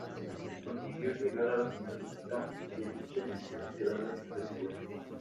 Consiguió llegar a ser finalista de dicha edición, quedando en tercer puesto.